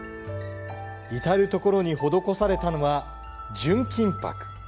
至る所に施されたのは純金ぱく。